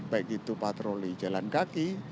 baik itu patroli jalan kaki